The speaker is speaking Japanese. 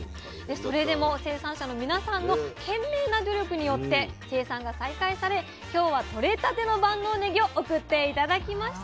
それでも生産者の皆さんの懸命な努力によって生産が再開され今日は取れたての万能ねぎを送って頂きました。